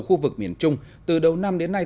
khu vực miền trung từ đầu năm đến nay